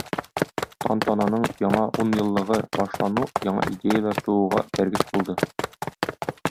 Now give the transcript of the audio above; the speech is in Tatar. Тантананың яңа унъеллыгы башлану яңа идеяләр тууга этәргеч булды.